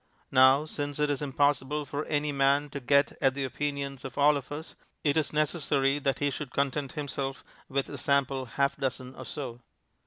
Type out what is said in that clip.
Now, since it is impossible for any man to get at the opinions of all of us, it is necessary that he should content himself with a sample half dozen or so.